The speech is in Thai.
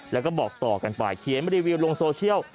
แล้วก็บอกต่อกันไปเขียนรีวิวลงโซเชียล